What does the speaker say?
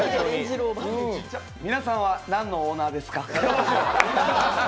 皆さんは何のオーナーですか？